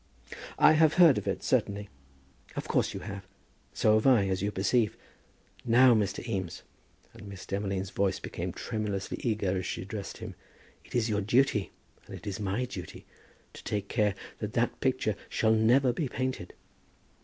"I have heard of it, certainly." "Of course you have. So have I, as you perceive. Now, Mr. Eames," and Miss Demolines' voice became tremulously eager as she addressed him, "it is your duty, and it is my duty, to take care that that picture shall never be painted."